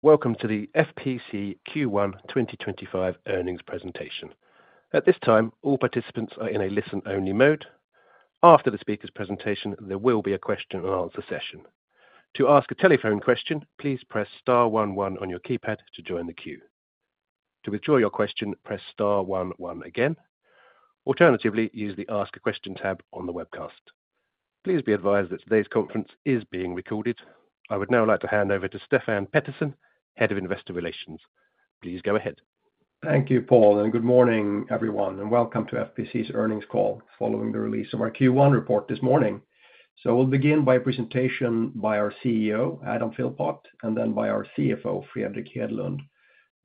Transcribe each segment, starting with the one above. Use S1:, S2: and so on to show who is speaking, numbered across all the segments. S1: Welcome to the FPC Q1 2025 earnings presentation. At this time, all participants are in a listen-only mode. After the speaker's presentation, there will be a question-and-answer session. To ask a telephone question, please press star one one on your keypad to join the queue. To withdraw your question, press star one one again. Alternatively, use the Ask a Question tab on the webcast. Please be advised that today's conference is being recorded. I would now like to hand over to Stefan Pettersson, Head of Investor Relations. Please go ahead.
S2: Thank you, Paul, and good morning, everyone, and welcome to FPC's earnings call following the release of our Q1 report this morning. We will begin by a presentation by our CEO, Adam Philpott, and then by our CFO, Fredrik Hedlund.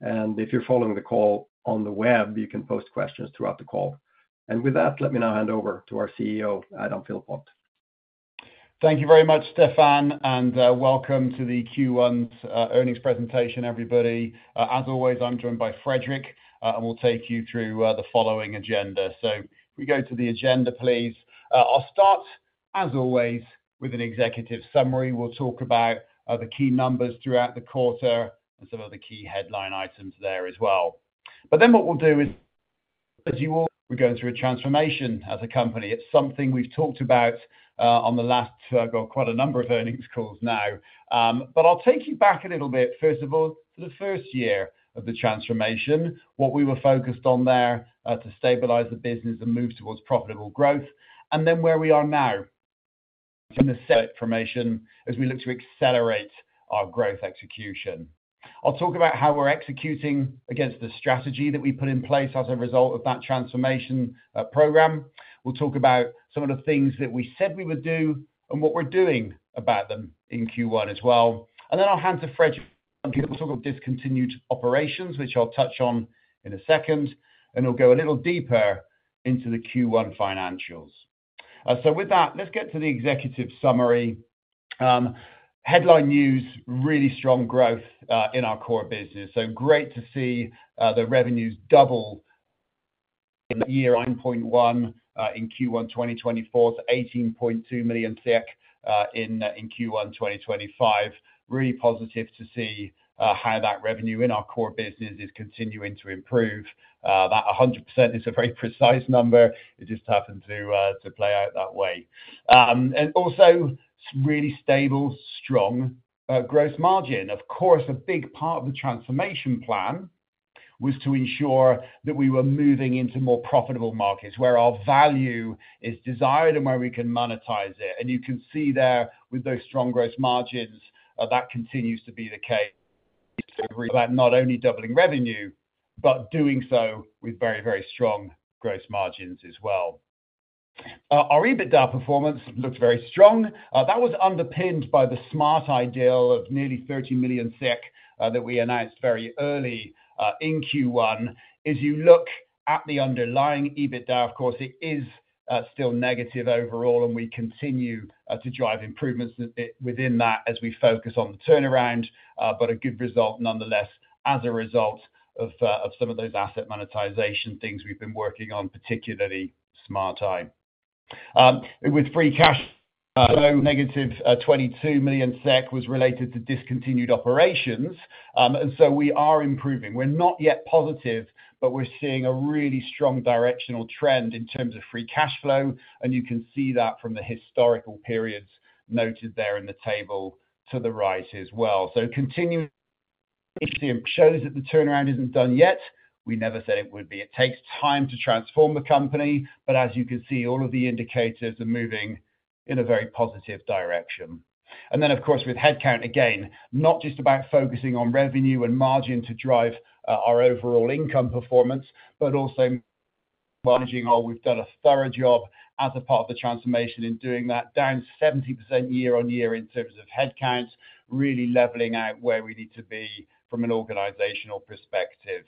S2: If you are following the call on the web, you can post questions throughout the call. With that, let me now hand over to our CEO, Adam Philpott.
S3: Thank you very much, Stefan, and welcome to the Q1's earnings presentation, everybody. As always, I'm joined by Frederik, and we'll take you through the following agenda. If we go to the agenda, please, I'll start, as always, with an executive summary. We'll talk about the key numbers throughout the quarter and some of the key headline items there as well. What we'll do is, as you all know, we're going through a transformation as a company. It's something we've talked about on the last—I have got quite a number of earnings calls now. I'll take you back a little bit, first of all, to the first year of the transformation, what we were focused on there to stabilize the business and move towards profitable growth, and then where we are now in the transformation as we look to accelerate our growth execution. I'll talk about how we're executing against the strategy that we put in place as a result of that transformation program. We'll talk about some of the things that we said we would do and what we're doing about them in Q1 as well. I'll hand to Frederik because we'll talk about discontinued operations, which I'll touch on in a second, and we'll go a little deeper into the Q1 financials. With that, let's get to the executive summary. Headline news: really strong growth in our core business. Great to see the revenues double in the year 9.1 million in Q1 2024 to 18.2 million in Q1 2025. Really positive to see how that revenue in our core business is continuing to improve. That 100% is a very precise number. It just happened to play out that way. Also, really stable, strong gross margin. Of course, a big part of the transformation plan was to ensure that we were moving into more profitable markets where our value is desired and where we can monetize it. You can see there with those strong gross margins that that continues to be the case. It is about not only doubling revenue, but doing so with very, very strong gross margins as well. Our EBITDA performance looks very strong. That was underpinned by the Smart Eye deal of nearly 30 million SEK that we announced very early in Q1. As you look at the underlying EBITDA, of course, it is still negative overall, and we continue to drive improvements within that as we focus on the turnaround, but a good result nonetheless as a result of some of those asset monetization things we have been working on, particularly Smart Eye. With free cash flow, -22 million SEK was related to discontinued operations. We are improving. We're not yet positive, but we're seeing a really strong directional trend in terms of free cash flow, and you can see that from the historical periods noted there in the table to the right as well. Continuing to see it shows that the turnaround isn't done yet. We never said it would be. It takes time to transform the company, but as you can see, all of the indicators are moving in a very positive direction. Of course, with headcount, again, not just about focusing on revenue and margin to drive our overall income performance, but also managing how we've done a thorough job as a part of the transformation in doing that, down 70% year-on-year in terms of headcount, really leveling out where we need to be from an organizational perspective.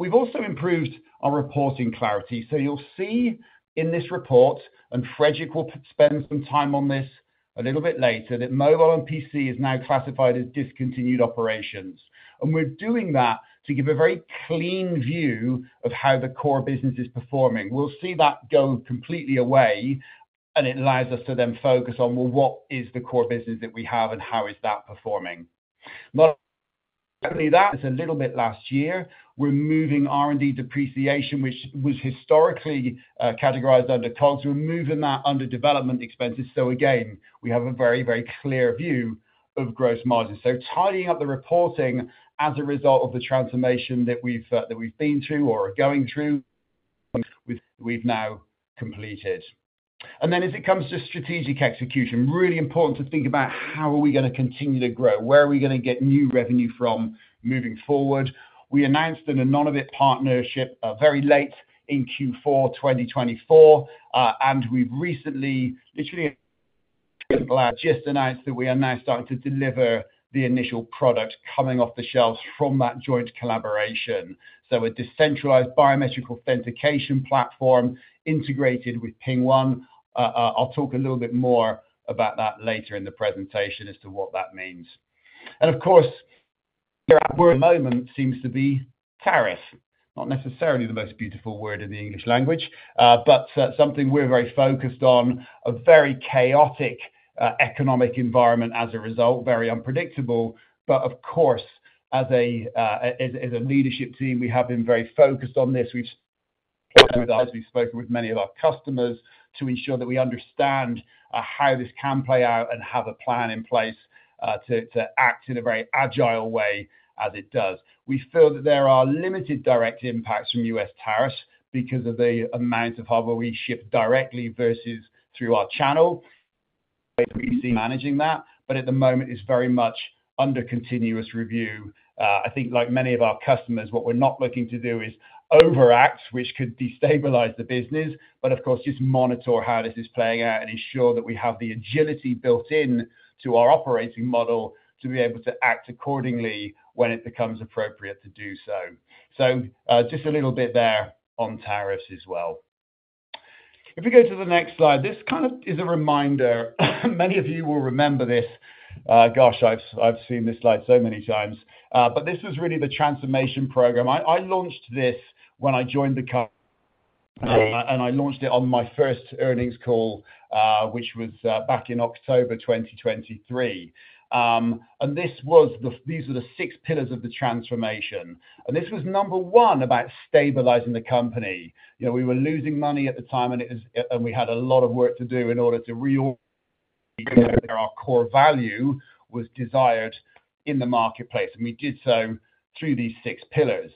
S3: We've also improved our reporting clarity. You will see in this report, and Frederik will spend some time on this a little bit later, that mobile and PC is now classified as discontinued operations. We are doing that to give a very clean view of how the core business is performing. We will see that go completely away, and it allows us to then focus on what is the core business that we have and how is that performing. Not only that, it's a little bit last year. We're moving R&D depreciation, which was historically categorized under COGS. We're moving that under development expenses. Again, we have a very, very clear view of gross margin. Tidying up the reporting as a result of the transformation that we've been through or are going through, we've now completed. As it comes to strategic execution, really important to think about how are we going to continue to grow? Where are we going to get new revenue from moving forward? We announced an Anonybit partnership very late in Q4 2024, and we've recently literally just announced that we are now starting to deliver the initial product coming off the shelves from that joint collaboration. A decentralized biometric authentication platform integrated with PingOne. I'll talk a little bit more about that later in the presentation as to what that means. Of course, we're at a moment that seems to be tariff, not necessarily the most beautiful word in the English language, but something we're very focused on, a very chaotic economic environment as a result, very unpredictable. Of course, as a leadership team, we have been very focused on this. We've spoken with many of our customers to ensure that we understand how this can play out and have a plan in place to act in a very agile way as it does. We feel that there are limited direct impacts from U.S. tariffs because of the amount of hardware we ship directly versus through our channel. We see managing that, but at the moment, it's very much under continuous review. I think, like many of our customers, what we're not looking to do is overact, which could destabilize the business, but of course, just monitor how this is playing out and ensure that we have the agility built into our operating model to be able to act accordingly when it becomes appropriate to do so. Just a little bit there on tariffs as well. If we go to the next slide, this kind of is a reminder. Many of you will remember this. Gosh, I've seen this slide so many times, but this was really the transformation program. I launched this when I joined the company, and I launched it on my first earnings call, which was back in October 2023. These were the six pillars of the transformation. This was number one about stabilizing the company. We were losing money at the time, and we had a lot of work to do in order to reorganize our core value that was desired in the marketplace. We did so through these six pillars.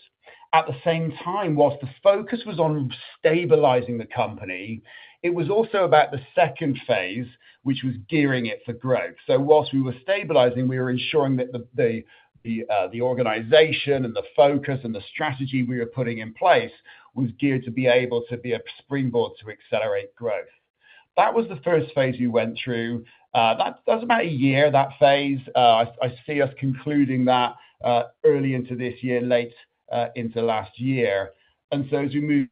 S3: At the same time, whilst the focus was on stabilizing the company, it was also about the second phase, which was gearing it for growth. Whilst we were stabilizing, we were ensuring that the organization and the focus and the strategy we were putting in place was geared to be able to be a springboard to accelerate growth. That was the first phase we went through. That was about a year, that phase. I see us concluding that early into this year and late into last year. As we move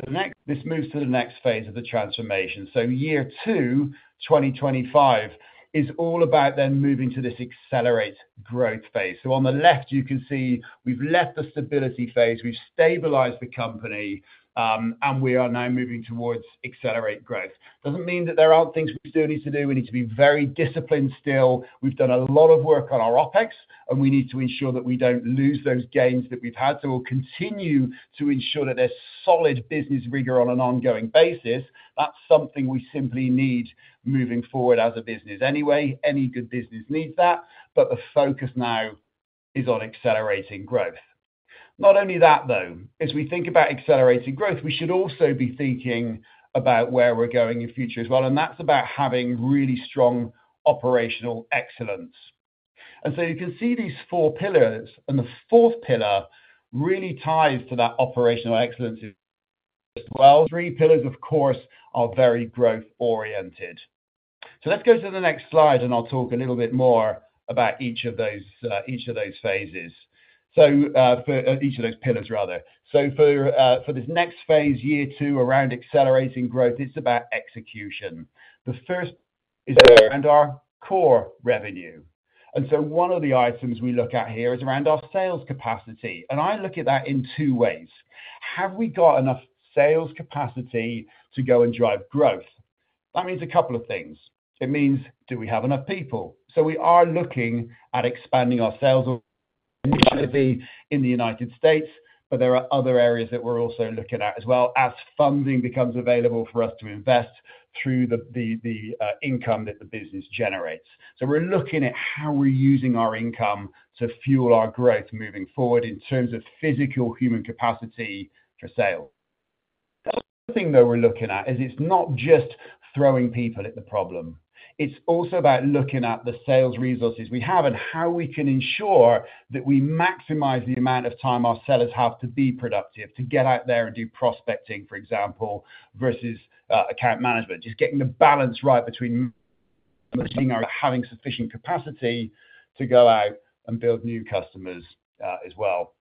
S3: to the next, this moves to the next phase of the transformation. Year two 2025 is all about then moving to this accelerate growth phase. On the left, you can see we've left the stability phase. We've stabilized the company, and we are now moving towards accelerate growth. It does not mean that there are not things we still need to do. We need to be very disciplined still. We've done a lot of work on our OpEx, and we need to ensure that we do not lose those gains that we've had. We will continue to ensure that there is solid business rigor on an ongoing basis. That is something we simply need moving forward as a business anyway. Any good business needs that, but the focus now is on accelerating growth. Not only that, though, as we think about accelerating growth, we should also be thinking about where we're going in future as well. That is about having really strong operational excellence. You can see these four pillars, and the fourth pillar really ties to that operational excellence as well. Three pillars, of course, are very growth-oriented. Let's go to the next slide, and I'll talk a little bit more about each of those phases. For each of those pillars, rather. For this next phase, year two, around accelerating growth, it's about execution. The first is around our core revenue. One of the items we look at here is around our sales capacity. I look at that in two ways. Have we got enough sales capacity to go and drive growth? That means a couple of things. It means, do we have enough people? We are looking at expanding our sales initially in the United States, but there are other areas that we're also looking at as well as funding becomes available for us to invest through the income that the business generates. We are looking at how we're using our income to fuel our growth moving forward in terms of physical human capacity for sale. The other thing that we're looking at is it's not just throwing people at the problem. It's also about looking at the sales resources we have and how we can ensure that we maximize the amount of time our sellers have to be productive to get out there and do prospecting, for example, versus account management, just getting the balance right between having sufficient capacity to go out and build new customers as well.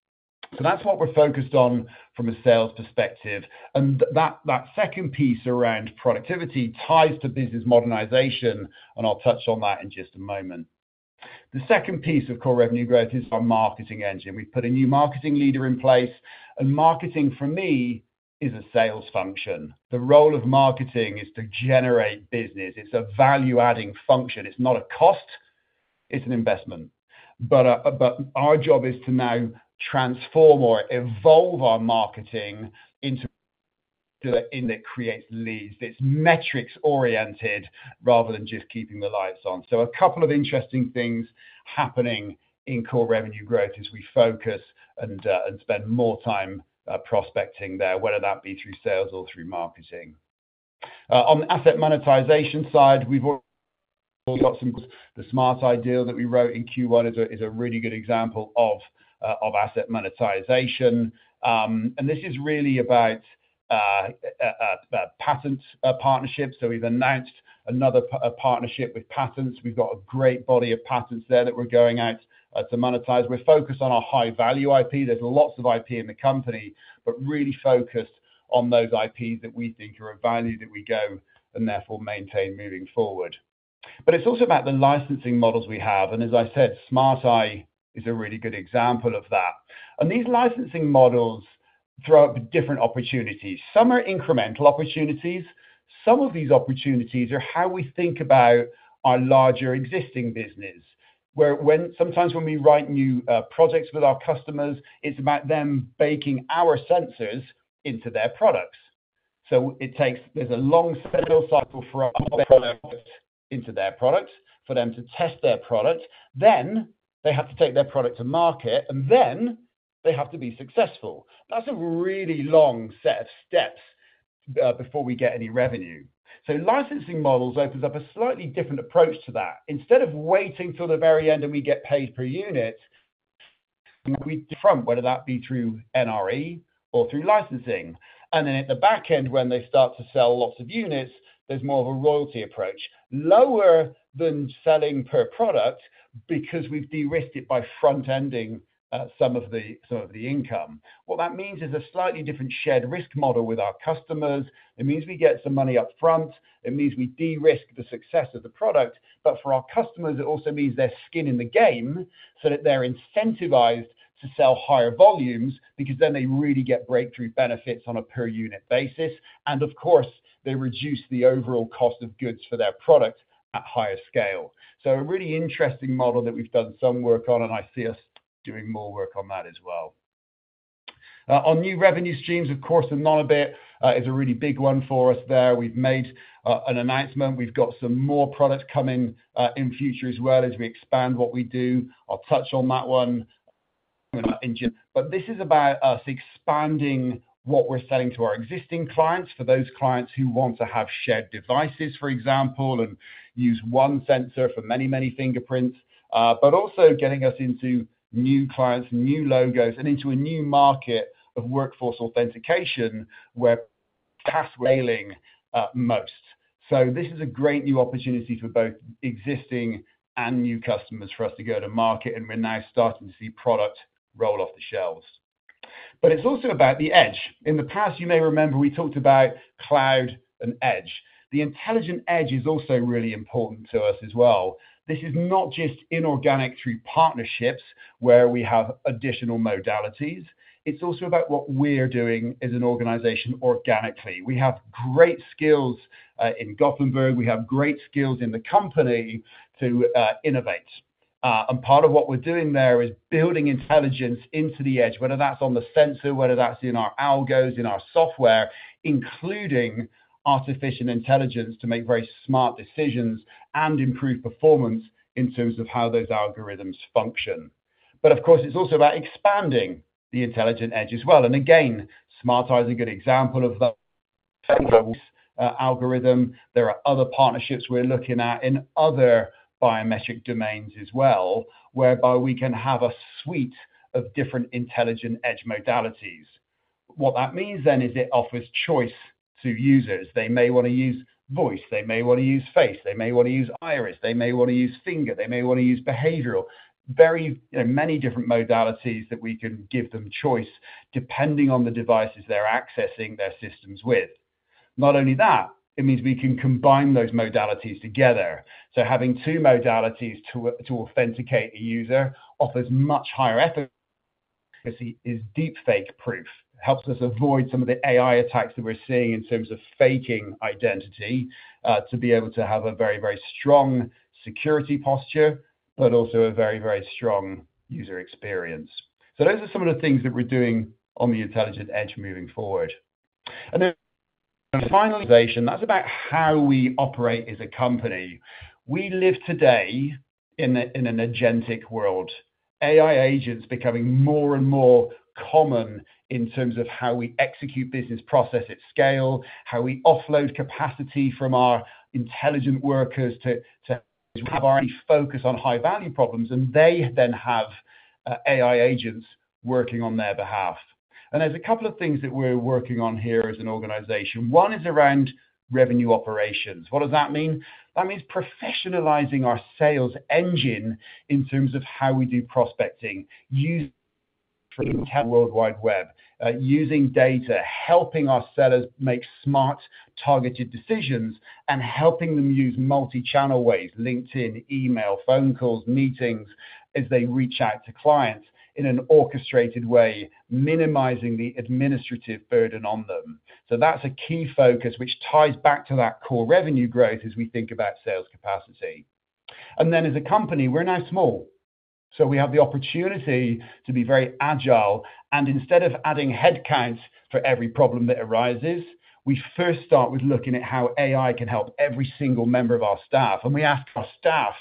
S3: That's what we're focused on from a sales perspective. That second piece around productivity ties to business modernization, and I'll touch on that in just a moment. The second piece of core revenue growth is our marketing engine. We've put a new marketing leader in place, and marketing for me is a sales function. The role of marketing is to generate business. It's a value-adding function. It's not a cost. It's an investment. Our job is to now transform or evolve our marketing into a tool that creates leads. It's metrics-oriented rather than just keeping the lights on. A couple of interesting things are happening in core revenue growth as we focus and spend more time prospecting there, whether that be through sales or through marketing. On the asset monetization side, the Smart Eye deal that we wrote in Q1 is a really good example of asset monetization. This is really about patent partnerships. We have announced another partnership with patents. We have a great body of patents there that we are going out to monetize. We are focused on our high-value IP. There is lots of IP in the company, but really focused on those IPs that we think are of value that we go and therefore maintain moving forward. It is also about the licensing models we have. As I said, Smart Eye is a really good example of that. These licensing models throw up different opportunities. Some are incremental opportunities. Some of these opportunities are how we think about our larger existing business. Sometimes when we write new projects with our customers, it is about them baking our sensors into their products. There is a long sales cycle for our products into their products for them to test their products. They have to take their product to market, and then they have to be successful. That's a really long set of steps before we get any revenue. Licensing models opens up a slightly different approach to that. Instead of waiting till the very end and we get paid per unit, we front, whether that be through NRE or through licensing. At the back end, when they start to sell lots of units, there's more of a royalty approach, lower than selling per product because we've de-risked it by front-ending some of the income. What that means is a slightly different shared risk model with our customers. It means we get some money upfront. It means we de-risk the success of the product. For our customers, it also means they're skin in the game so that they're incentivized to sell higher volumes because then they really get breakthrough benefits on a per-unit basis. Of course, they reduce the overall cost of goods for their product at higher scale. A really interesting model that we've done some work on, and I see us doing more work on that as well. On new revenue streams, of course, Anonybit is a really big one for us there. We've made an announcement. We've got some more products coming in future as well as we expand what we do. I'll touch on that one in. This is about us expanding what we're selling to our existing clients for those clients who want to have shared devices, for example, and use one sensor for many, many fingerprints. Also getting us into new clients, new logos, and into a new market of workforce authentication where password scaling most. This is a great new opportunity for both existing and new customers for us to go to market, and we're now starting to see product roll off the shelves. It is also about the edge. In the past, you may remember we talked about cloud and edge. The intelligent edge is also really important to us as well. This is not just inorganic through partnerships where we have additional modalities. It is also about what we're doing as an organization organically. We have great skills in Gothenburg. We have great skills in the company to innovate. Part of what we're doing there is building intelligence into the edge, whether that's on the sensor, whether that's in our algos, in our software, including artificial intelligence to make very smart decisions and improve performance in terms of how those algorithms function. Of course, it's also about expanding the intelligent edge as well. Again, Smart Eye is a good example of that algorithm. There are other partnerships we're looking at in other biometric domains as well, whereby we can have a suite of different intelligent edge modalities. What that means then is it offers choice to users. They may want to use voice. They may want to use face. They may want to use iris. They may want to use finger. They may want to use behavioral. Very many different modalities that we can give them choice depending on the devices they're accessing their systems with. Not only that, it means we can combine those modalities together. Having two modalities to authenticate a user offers much higher efficacy, is deepfake proof, and helps us avoid some of the AI attacks that we're seeing in terms of faking identity to be able to have a very, very strong security posture, but also a very, very strong user experience. Those are some of the things that we're doing on the intelligent edge moving forward. Finally, that's about how we operate as a company. We live today in an agentic world. AI agents are becoming more and more common in terms of how we execute business process at scale, how we offload capacity from our intelligent workers to have our focus on high-value problems, and they then have AI agents working on their behalf. There are a couple of things that we are working on here as an organization. One is around revenue operations. What does that mean? That means professionalizing our sales engine in terms of how we do prospecting using the internet, using data, helping our sellers make smart, targeted decisions, and helping them use multi-channel ways, LinkedIn, email, phone calls, meetings as they reach out to clients in an orchestrated way, minimizing the administrative burden on them. That is a key focus which ties back to that core revenue growth as we think about sales capacity. As a company, we are now small. We have the opportunity to be very agile. Instead of adding headcount for every problem that arises, we first start with looking at how AI can help every single member of our staff. We ask our staff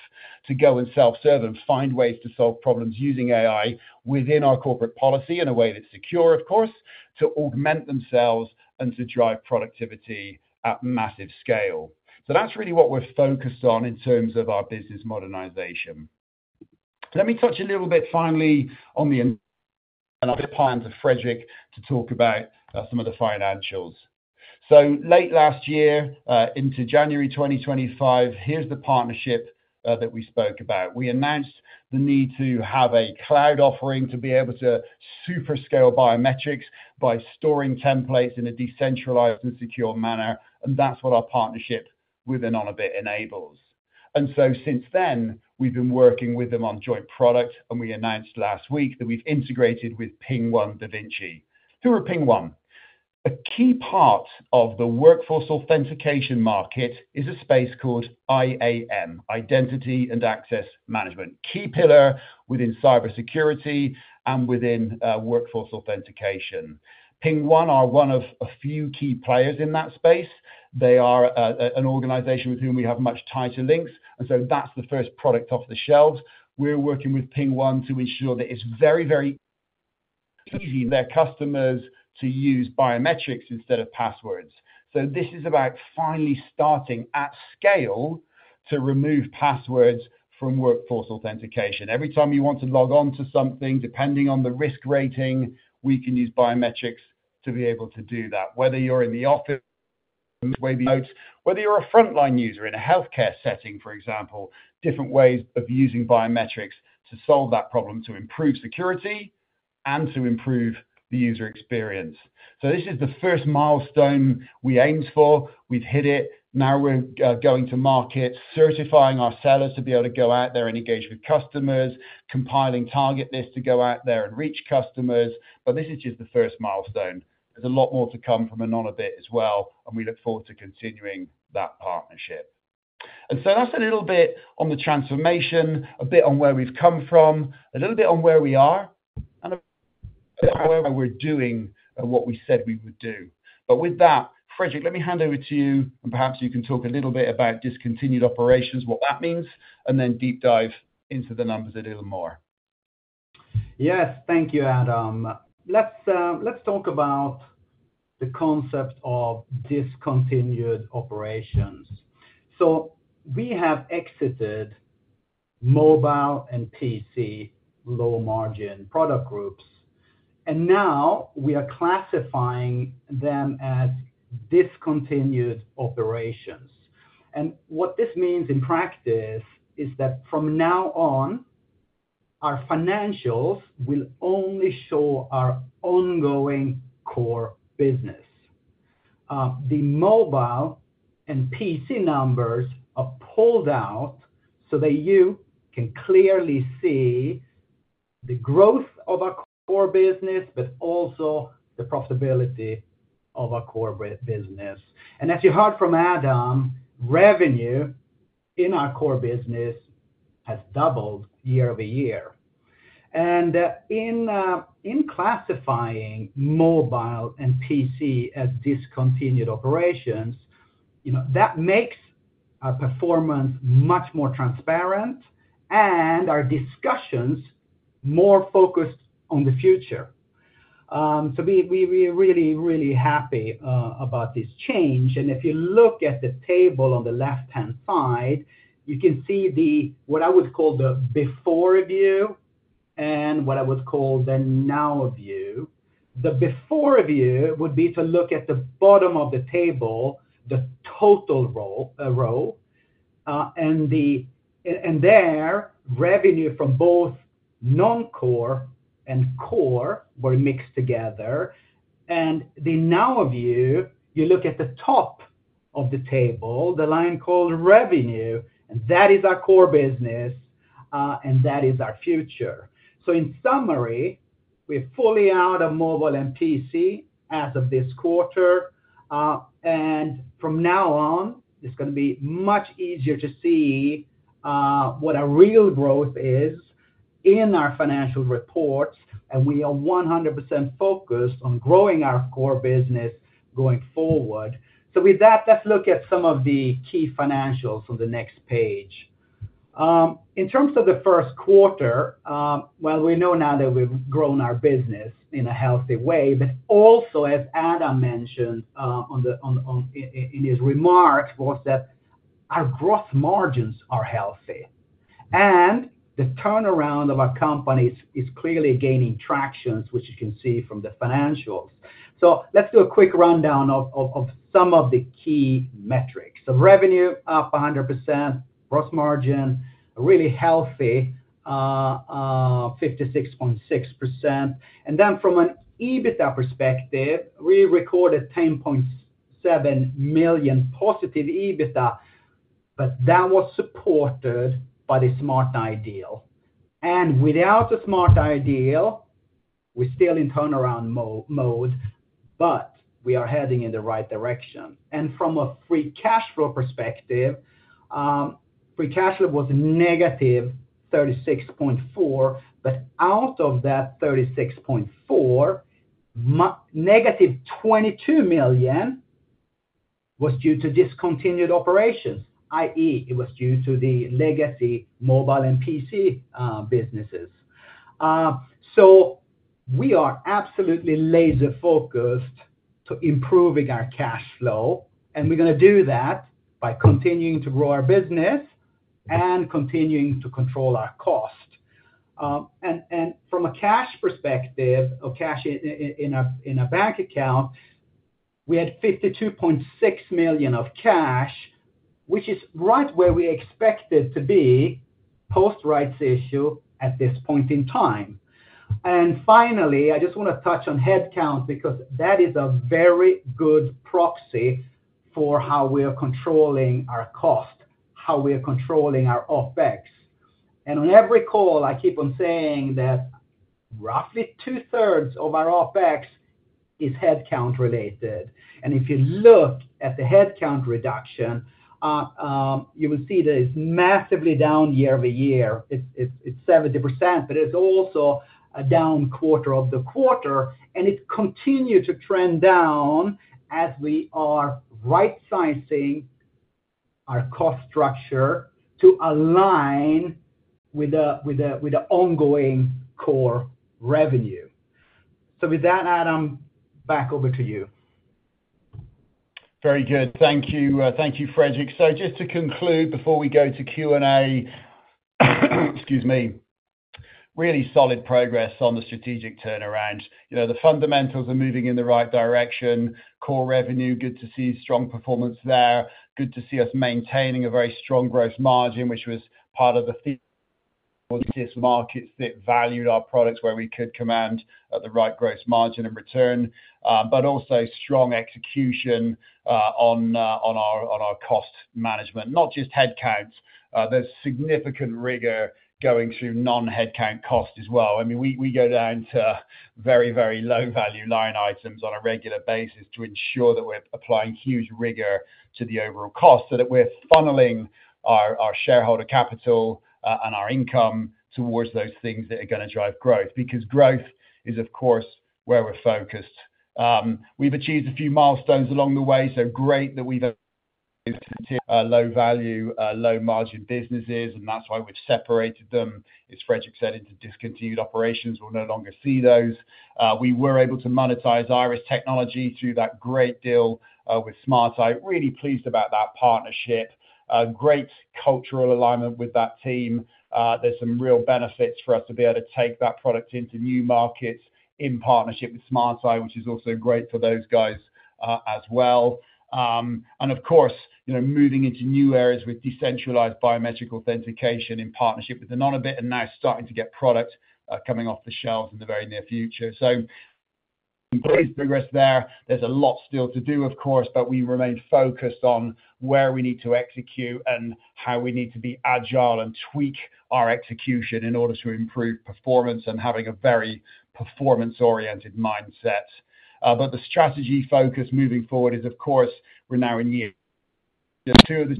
S3: to go and self-serve and find ways to solve problems using AI within our corporate policy in a way that's secure, of course, to augment themselves and to drive productivity at massive scale. That is really what we're focused on in terms of our business modernization. Let me touch a little bit finally on the, and I'll dip high into Frederik to talk about some of the financials. Late last year into January 2025, here is the partnership that we spoke about. We announced the need to have a cloud offering to be able to super scale biometrics by storing templates in a decentralized and secure manner. That is what our partnership with Anonybit enables. Since then, we've been working with them on joint product, and we announced last week that we've integrated with PingOne DaVinci. Who are PingOne? A key part of the workforce authentication market is a space called IAM, Identity and Access Management, key pillar within cybersecurity and within workforce authentication. PingOne are one of a few key players in that space. They are an organization with whom we have much tighter links. That is the first product off the shelves. We are working with PingOne to ensure that it is very, very easy for their customers to use biometrics instead of passwords. This is about finally starting at scale to remove passwords from workforce authentication. Every time you want to log on to something, depending on the risk rating, we can use biometrics to be able to do that. Whether you are in the office, whether you are a frontline user in a healthcare setting, for example, different ways of using biometrics to solve that problem to improve security and to improve the user experience. This is the first milestone we aimed for. We've hit it. Now we're going to market, certifying our sellers to be able to go out there and engage with customers, compiling target lists to go out there and reach customers. This is just the first milestone. There's a lot more to come from Anonybit as well, and we look forward to continuing that partnership. That's a little bit on the transformation, a bit on where we've come from, a little bit on where we are, and how we're doing what we said we would do. With that, Frederick, let me hand over to you, and perhaps you can talk a little bit about discontinued operations, what that means, and then deep dive into the numbers a little more.
S4: Yes, thank you, Adam. Let's talk about the concept of discontinued operations. We have exited mobile and PC low-margin product groups, and now we are classifying them as discontinued operations. What this means in practice is that from now on, our financials will only show our ongoing core business. The mobile and PC numbers are pulled out so that you can clearly see the growth of our core business, but also the profitability of our core business. As you heard from Adam, revenue in our core business has doubled year over year. In classifying mobile and PC as discontinued operations, that makes our performance much more transparent and our discussions more focused on the future. We are really, really happy about this change. If you look at the table on the left-hand side, you can see what I would call the before view and what I would call the now-view. The before-view would be to look at the bottom of the table, the total row, and there revenue from both non-core and core were mixed together. In the now view, you look at the top of the table, the line called revenue, and that is our core business, and that is our future. In summary, we're fully out of mobile and PC as of this quarter. From now on, it's going to be much easier to see what our real growth is in our financial reports, and we are 100% focused on growing our core business going forward. With that, let's look at some of the key financials on the next page. In terms of the first quarter, you know, we know now that we've grown our business in a healthy way, but also as Adam mentioned in his remarks, our gross margins are healthy. The turnaround of our company is clearly gaining traction, which you can see from the financials. Let's do a quick rundown of some of the key metrics. Revenue up 100%, gross margin really healthy, 56.6%. From an EBITDA perspective, we recorded 10.7 million positive EBITDA, but that was supported by the Smart Eye deal. Without the Smart Eye deal, we're still in turnaround mode, but we are heading in the right direction. From a free cash flow perspective, free cash flow was -36.4 million, but out of that 36.4 million, -22 million was due to discontinued operations, i.e., it was due to the legacy mobile and PC businesses. We are absolutely laser-focused on improving our cash flow, and we're going to do that by continuing to grow our business and continuing to control our cost. From a cash perspective, or cash in a bank account, we had 52.6 million of cash, which is right where we expected to be post-rights issue at this point in time. Finally, I just want to touch on headcount because that is a very good proxy for how we are controlling our cost, how we are controlling our OPEX. On every call, I keep on saying that roughly 2/3 of our OPEX is headcount related. If you look at the headcount reduction, you will see that it is massively down year over year. It is 70%, but it is also down quarter over quarter, and it continued to trend down as we are right-sizing our cost structure to align with the ongoing core revenue. With that, Adam, back over to you.
S3: Very good. Thank you. Thank you, Frederik. Just to conclude before we go to Q&A, excuse me, really solid progress on the strategic turnaround. The fundamentals are moving in the right direction. Core revenue, good to see strong performance there. Good to see us maintaining a very strong gross margin, which was part of the markets that valued our products where we could command the right gross margin and return, but also strong execution on our cost management, not just headcounts. There is significant rigor going through non-headcount cost as well. I mean, we go down to very, very low-value line items on a regular basis to ensure that we're applying huge rigor to the overall cost, that we're funneling our shareholder capital and our income towards those things that are going to drive growth because growth is, of course, where we're focused. We've achieved a few milestones along the way, so great that we've continued low-value, low-margin businesses, and that's why we've separated them. As Frederik said, into discontinued operations, we'll no longer see those. We were able to monetize IRIS Technology through that great deal with Smart Eye. Really pleased about that partnership. Great cultural alignment with that team. There's some real benefits for us to be able to take that product into new markets in partnership with Smart Eye, which is also great for those guys as well. Of course, moving into new areas with decentralized biometric authentication in partnership with Anonybit and now starting to get product coming off the shelves in the very near future. Great progress there. There's a lot still to do, of course, but we remain focused on where we need to execute and how we need to be agile and tweak our execution in order to improve performance and having a very performance-oriented mindset. The strategy focus moving forward is, of course, we're now in year two.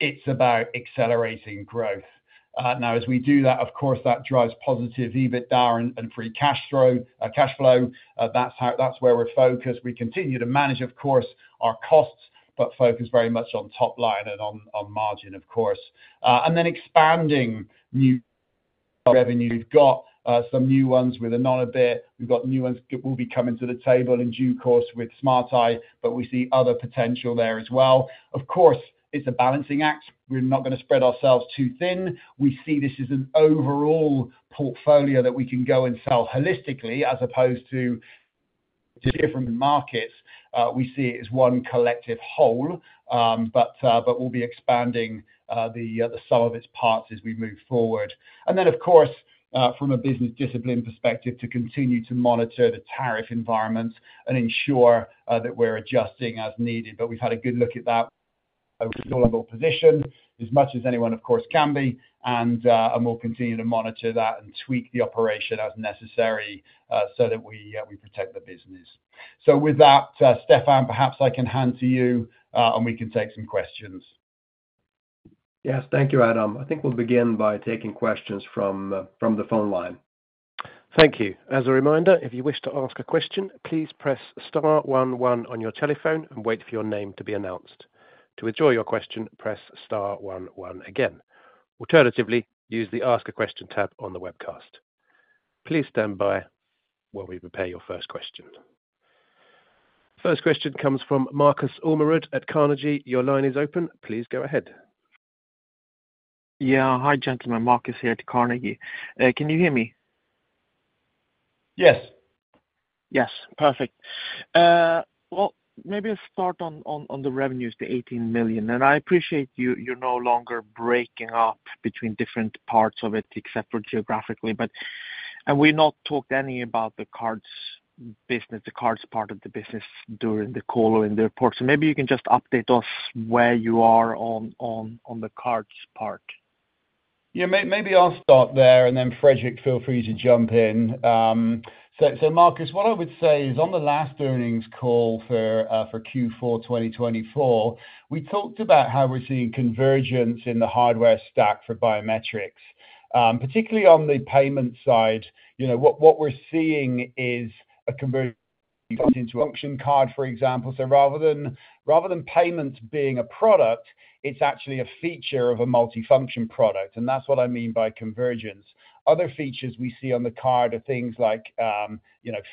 S3: It's about accelerating growth. As we do that, of course, that drives positive EBITDA and free cash flow. That's where we're focused. We continue to manage, of course, our costs, but focus very much on top line and on margin, of course. Expanding new revenue. We've got some new ones with Anonybit. We've got new ones that will be coming to the table in due course with Smart Eye, but we see other potential there as well. Of course, it's a balancing act. We're not going to spread ourselves too thin. We see this as an overall portfolio that we can go and sell holistically as opposed to different markets. We see it as one collective whole, but we'll be expanding the sum of its parts as we move forward. Of course, from a business discipline perspective, to continue to monitor the tariff environment and ensure that we're adjusting as needed. We've had a good look at that overall position as much as anyone, of course, can be, and we'll continue to monitor that and tweak the operation as necessary so that we protect the business. With that, Stefan, perhaps I can hand to you, and we can take some questions.
S2: Yes, thank you, Adam. I think we'll begin by taking questions from the phone line.
S1: Thank you. As a reminder, if you wish to ask a question, please press Star one one on your telephone and wait for your name to be announced. To withdraw your question, press Star one one again. Alternatively, use the Ask a Question tab on the webcast. Please stand by while we prepare your first question. First question comes from Markus Almerud at Carnegie. Your line is open. Please go ahead.
S5: Yeah. Hi, gentlemen. Markus here at Carnegie. Can you hear me?
S3: Yes.
S5: Yes. Perfect. Maybe let's start on the revenues, the 18 million. I appreciate you're no longer breaking up between different parts of it except for geographically, but we've not talked any about the cards business, the cards part of the business during the call or in the report. Maybe you can just update us where you are on the cards part.
S3: Yeah. Maybe I'll start there, and then Frederik, feel free to jump in. Markus, what I would say is on the last earnings call for Q4 2024, we talked about how we're seeing convergence in the hardware stack for biometrics, particularly on the payment side. What we're seeing is a convergence into a function card, for example. Rather than payments being a product, it's actually a feature of a multifunction product. That's what I mean by convergence. Other features we see on the card are things like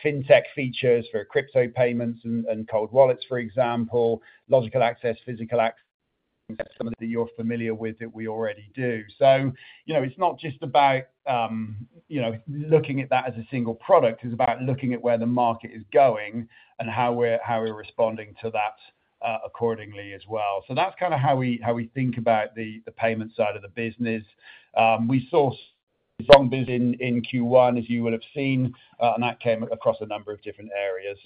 S3: fintech features for crypto payments and cold wallets, for example, logical access, physical access, some of the things that you're familiar with that we already do. It's not just about looking at that as a single product. It's about looking at where the market is going and how we're responding to that accordingly as well. That's kind of how we think about the payment side of the business. We saw strong business in Q1, as you will have seen, and that came across a number of different areas.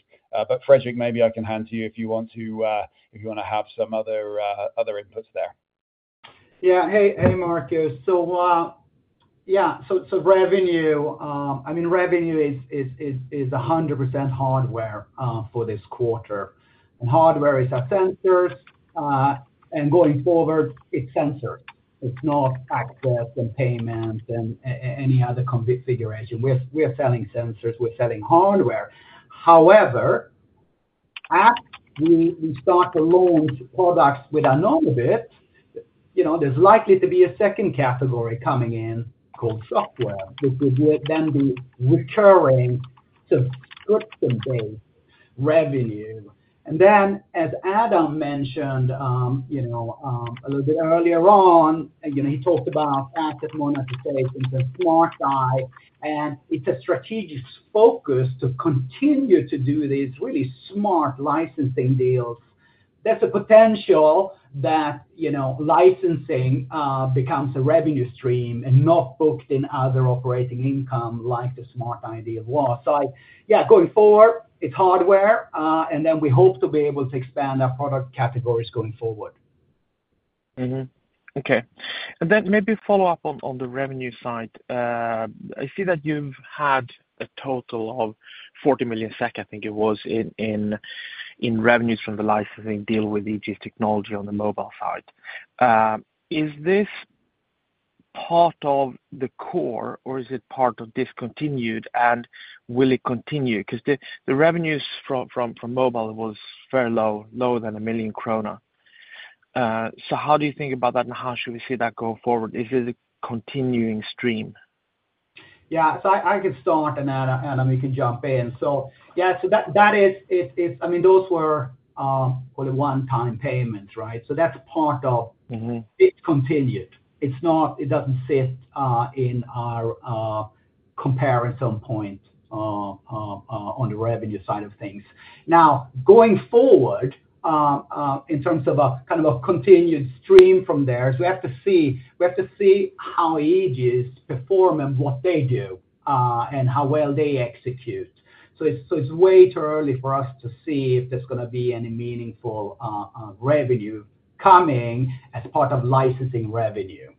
S3: Frederick, maybe I can hand to you if you want to have some other inputs there.
S4: Yeah. Hey, Markus. Yeah, revenue, I mean, revenue is 100% hardware for this quarter. Hardware is our sensors, and going forward, it's sensors. It's not access and payment and any other configuration. We're selling sensors. We're selling hardware. However, as we start to launch products with Anonybit, there's likely to be a second category coming in called software, which would then be recurring to goods and revenue. As Adam mentioned a little bit earlier on, he talked about asset monetization for Smart Eye, and it is a strategic focus to continue to do these really smart licensing deals. There is a potential that licensing becomes a revenue stream and not booked in other operating income like the Smart Eye idea was. Going forward, it is hardware, and we hope to be able to expand our product categories going forward.
S5: Okay. Maybe follow up on the revenue side. I see that you have had a total of 40 million SEK, I think it was, in revenues from the licensing deal with EGS Technology on the mobile side. Is this part of the core, or is it part of discontinued, and will it continue? Because the revenues from mobile were very low, lower than 1 million kronor. How do you think about that, and how should we see that go forward? Is it a continuing stream?
S4: Yeah. I could start, and Adam, you can jump in. Yeah, that is, I mean, those were only one-time payments, right? That is part of discontinued. It does not sit in our comparison point on the revenue side of things. Now, going forward, in terms of a kind of a continued stream from there, we have to see how EGS perform and what they do and how well they execute. It is way too early for us to see if there is going to be any meaningful revenue coming as part of licensing revenue.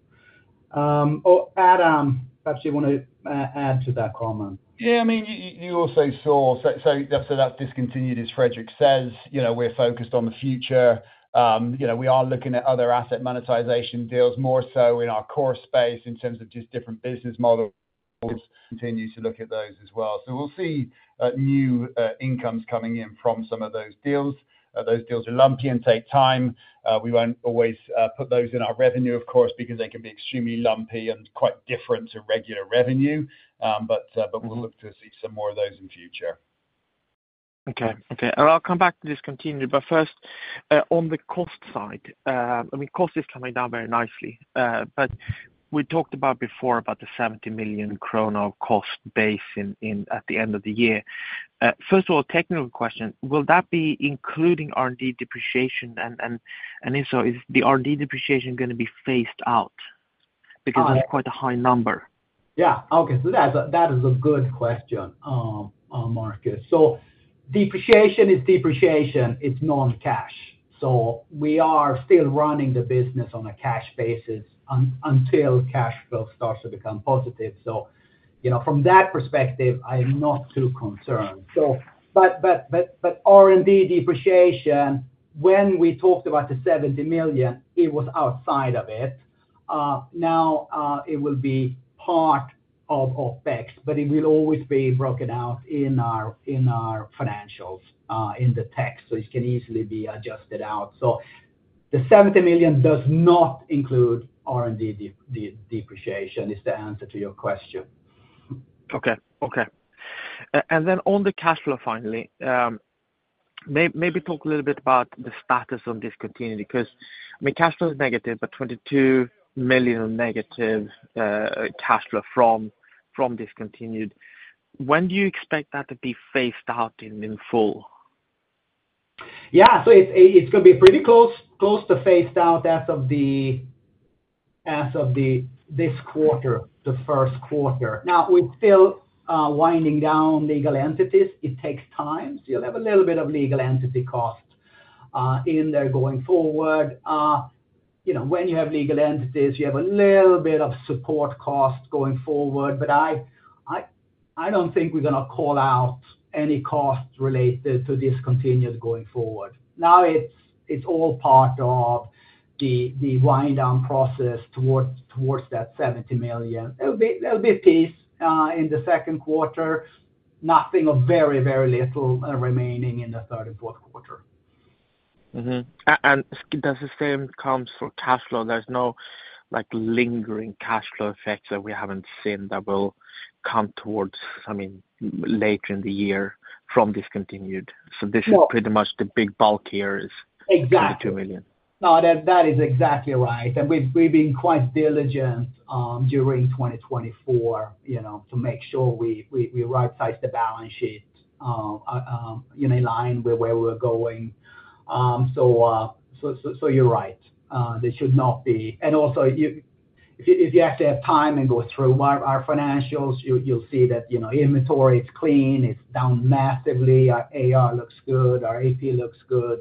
S4: Adam, perhaps you want to add to that comment?
S3: Yeah. I mean, you also saw, that is discontinued, as Frederik says. We are focused on the future. We are looking at other asset monetization deals, more so in our core space in terms of just different business models. Continue to look at those as well. We will see new incomes coming in from some of those deals. Those deals are lumpy and take time. We will not always put those in our revenue, of course, because they can be extremely lumpy and quite different to regular revenue, but we will look to see some more of those in the future.
S5: Okay. Okay. I will come back to discontinued, but first, on the cost side, I mean, cost is coming down very nicely, but we talked about before about the 70 million krona cost base at the end of the year. First of all, technical question. Will that be including R&D depreciation? And if so, is the R&D depreciation going to be phased out? Because that is quite a high number.
S4: Yeah. Okay. That is a good question, Marcus. Depreciation is depreciation. It is non-cash. We are still running the business on a cash basis until cash flow starts to become positive. From that perspective, I am not too concerned. R&D depreciation, when we talked about the 70 million, it was outside of it. Now, it will be part of OPEX, but it will always be broken out in our financials in the text, so it can easily be adjusted out. The 70 million does not include R&D depreciation is the answer to your question.
S5: Okay. On the cash flow finally, maybe talk a little bit about the status on discontinued because, I mean, cash flow is negative, but 22 million negative cash flow from discontinued. When do you expect that to be phased out in full?
S4: Yeah. It is going to be pretty close to phased out as of this quarter, the first quarter. Now, we are still winding down legal entities. It takes time. You will have a little bit of legal entity cost in there going forward. When you have legal entities, you have a little bit of support cost going forward, but I do not think we are going to call out any cost related to discontinued going forward. Now, it is all part of the wind-down process towards that 70 million. There will be a piece in the second quarter. Nothing or very, very little remaining in the third and fourth quarter.
S5: Does the same come for cash flow? There is no lingering cash flow effects that we have not seen that will come towards, I mean, later in the year from discontinued. This is pretty much the big bulk here, 70 million.
S4: Exactly. No, that is exactly right. We have been quite diligent during 2024 to make sure we right-size the balance sheet in line with where we were going. You are right. There should not be. If you actually have time and go through our financials, you will see that inventory is clean. It is down massively. Our AR looks good. Our AP looks good.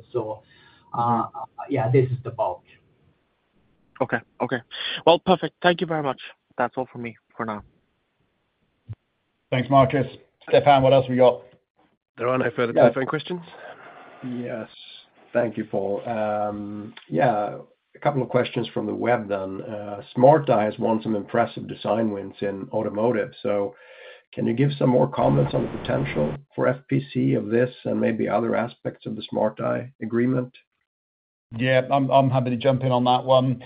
S4: This is the bulk.
S5: Okay. Perfect. Thank you very much. That is all for me for now.
S3: Thanks, Marcus. Stefan, what else have we got? There are not any further clarifying questions?
S1: Yes.
S2: Thank you, Paul. A couple of questions from the web then. Smart Eye has won some impressive design wins in automotive. Can you give some more comments on the potential for FPC of this and maybe other aspects of the Smart Eye agreement?
S3: I am happy to jump in on that one.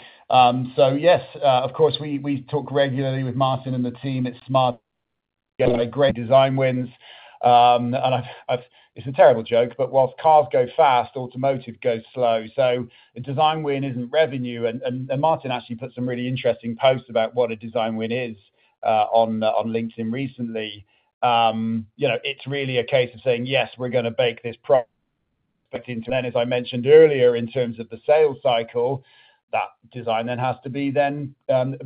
S3: Yes, of course, we talk regularly with Martin and the team at Smart Eye about great design wins. It's a terrible joke, but whilst cars go fast, automotive goes slow. A design win isn't revenue. Martin actually put some really interesting posts about what a design win is on LinkedIn recently. It's really a case of saying, "Yes, we're going to bake this product." As I mentioned earlier, in terms of the sales cycle, that design then has to be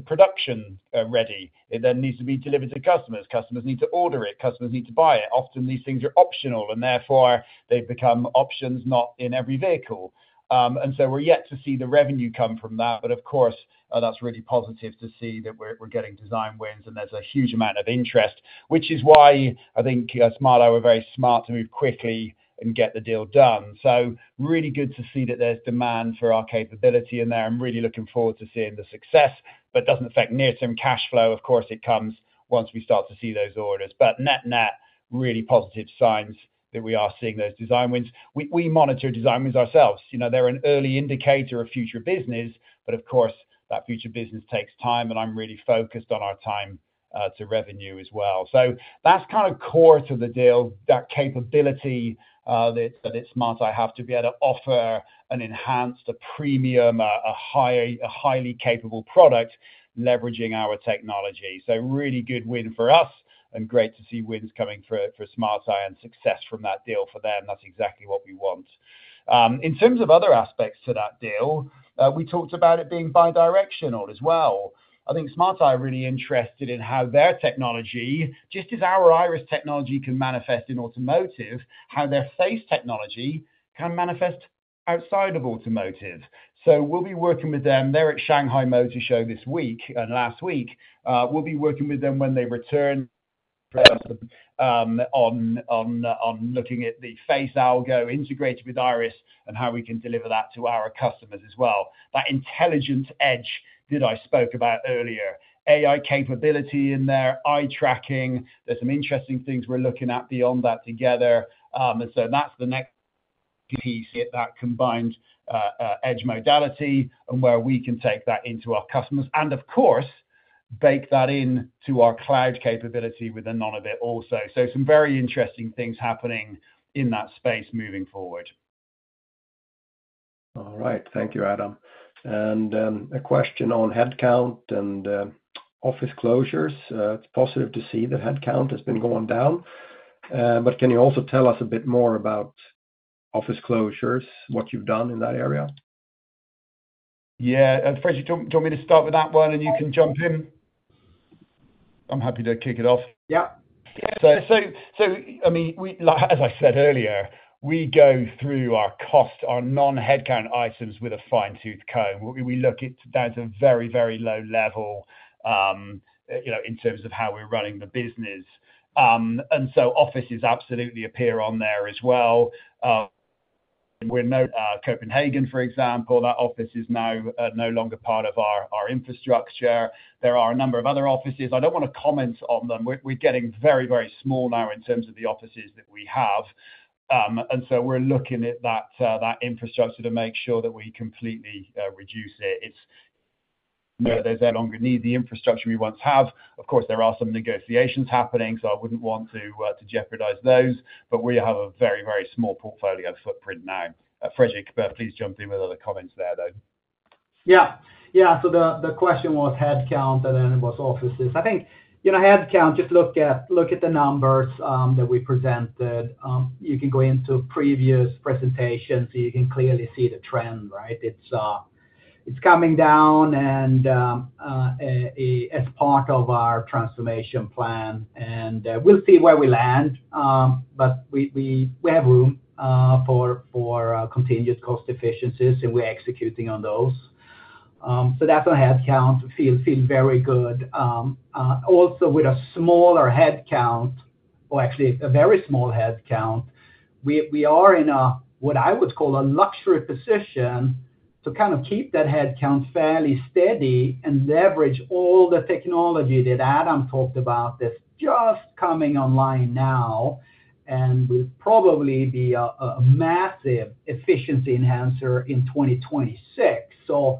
S3: production-ready. It then needs to be delivered to customers. Customers need to order it. Customers need to buy it. Often, these things are optional, and therefore, they become options not in every vehicle. We are yet to see the revenue come from that. Of course, that's really positive to see that we're getting design wins, and there's a huge amount of interest, which is why I think Smart Eye were very smart to move quickly and get the deal done. Really good to see that there's demand for our capability in there. I'm really looking forward to seeing the success, but it doesn't affect near-term cash flow. It comes once we start to see those orders. Net-net, really positive signs that we are seeing those design wins. We monitor design wins ourselves. They're an early indicator of future business, but that future business takes time, and I'm really focused on our time to revenue as well. That's kind of core to the deal, that capability that Smart Eye have to be able to offer an enhanced, a premium, a highly capable product leveraging our technology. Really good win for us and great to see wins coming for Smart Eye and success from that deal for them. That is exactly what we want. In terms of other aspects to that deal, we talked about it being bi-directional as well. I think Smart Eye are really interested in how their technology, just as our IRIS Technology can manifest in automotive, how their face technology can manifest outside of automotive. We will be working with them. They are at Shanghai Motor Show this week and last week. We will be working with them when they return on looking at the face algo integrated with IRIS and how we can deliver that to our customers as well. That intelligent edge that I spoke about earlier, AI capability in there, eye tracking. There are some interesting things we are looking at beyond that together. That is the next piece, that combined edge modality and where we can take that into our customers and, of course, bake that into our cloud capability with Anonybit also. Some very interesting things are happening in that space moving forward.
S2: All right. Thank you, Adam. A question on headcount and office closures. It is positive to see that headcount has been going down. Can you also tell us a bit more about office closures, what you have done in that area?
S3: Yeah. Frederik, do you want me to start with that one, and you can jump in? I am happy to kick it off. Yeah. I mean, as I said earlier, we go through our cost, our non-headcount items with a fine-tooth comb. We look at that at a very, very low level in terms of how we are running the business. Offices absolutely appear on there as well. Copenhagen, for example, that office is now no longer part of our infrastructure. There are a number of other offices. I do not want to comment on them. We are getting very, very small now in terms of the offices that we have. We are looking at that infrastructure to make sure that we completely reduce it. There is no longer need for the infrastructure we once have. Of course, there are some negotiations happening, so I would not want to jeopardize those, but we have a very, very small portfolio footprint now. Frederik, please jump in with other comments there, though.
S4: Yeah. Yeah. The question was headcount, and then it was offices. I think headcount, just look at the numbers that we presented. You can go into previous presentations, and you can clearly see the trend, right? is coming down as part of our transformation plan. We will see where we land, but we have room for continued cost efficiencies, and we are executing on those. That is on headcount. I feel very good. Also, with a smaller headcount, or actually a very small headcount, we are in what I would call a luxury position to kind of keep that headcount fairly steady and leverage all the technology that Adam talked about that is just coming online now. It will probably be a massive efficiency enhancer in 2026. The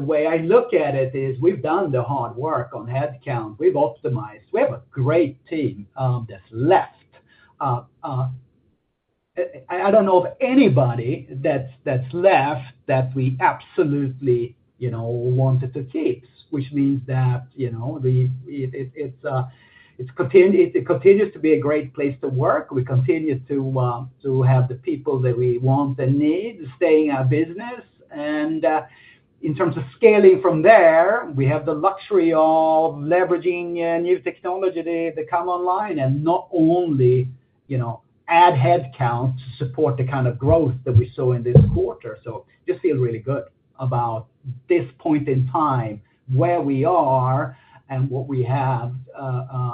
S4: way I look at it is we have done the hard work on headcount. We have optimized. We have a great team that is left. I do not know of anybody that has left that we absolutely wanted to keep, which means that it continues to be a great place to work. We continue to have the people that we want and need staying at business. In terms of scaling from there, we have the luxury of leveraging new technology that come online and not only add headcount to support the kind of growth that we saw in this quarter. I just feel really good about this point in time where we are and what we have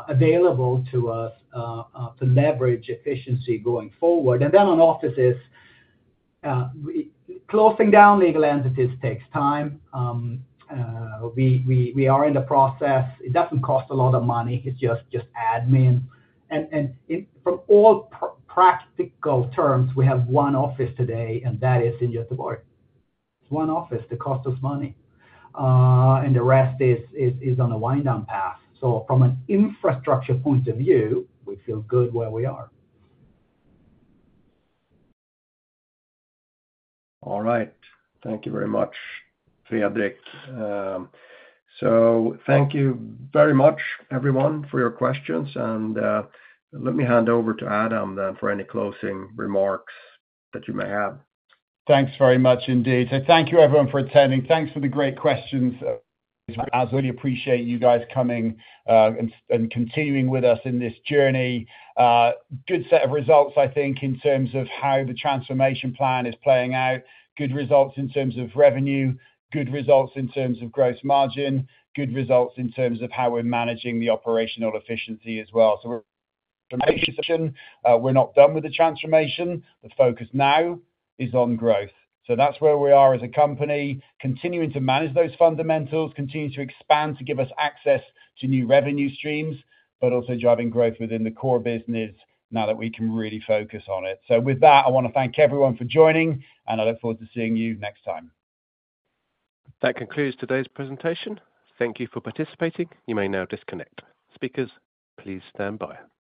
S4: available to us to leverage efficiency going forward. On offices, closing down legal entities takes time. We are in the process. It does not cost a lot of money. It is just admin. From all practical terms, we have one office today, and that is in Gothenburg. It is one office. The cost is money. The rest is on a wind-down path. From an infrastructure point of view, we feel good where we are.
S2: All right. Thank you very much, Fredrik. Thank you very much, everyone, for your questions. Let me hand over to Adam then for any closing remarks that you may have.
S3: Thanks very much indeed. Thank you, everyone, for attending. Thanks for the great questions. I really appreciate you guys coming and continuing with us in this journey. Good set of results, I think, in terms of how the transformation plan is playing out. Good results in terms of revenue. Good results in terms of gross margin. Good results in terms of how we're managing the operational efficiency as well. We're not done with the transformation. The focus now is on growth. That's where we are as a company, continuing to manage those fundamentals, continue to expand to give us access to new revenue streams, but also driving growth within the core business now that we can really focus on it. With that, I want to thank everyone for joining, and I look forward to seeing you next time.
S1: That concludes today's presentation. Thank you for participating. You may now disconnect. Speakers, please stand by.